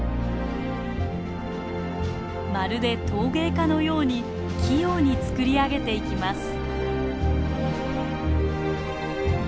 まるで陶芸家のように器用に作り上げていきます。